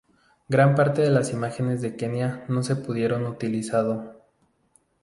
Gran parte de las imágenes de Kenia no se pudieron utilizado.